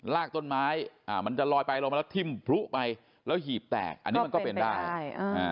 ลากต้นไม้อ่ามันจะลอยไปลอยมาแล้วทิ้มพลุไปแล้วหีบแตกอันนี้มันก็เป็นได้ใช่อ่า